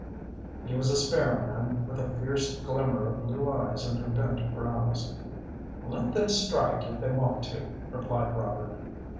He was a spare man, with a fierce glimmer of blue eyes under bent brows. "Let them strike if they want to," replied Robert.